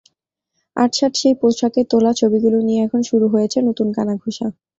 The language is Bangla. আঁটসাঁট সেই পোশাকে তোলা ছবিগুলো নিয়ে এখন শুরু হয়েছে নতুন কানাঘুষা।